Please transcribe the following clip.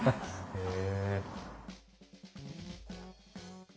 へえ。